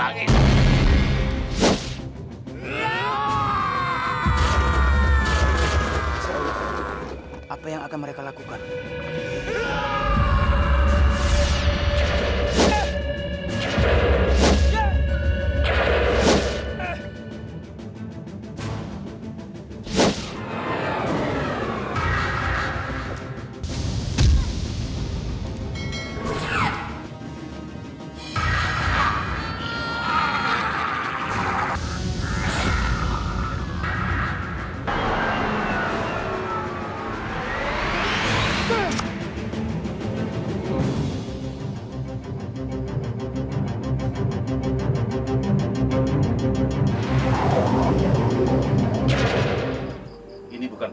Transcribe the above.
apa yang akan mereka lakukan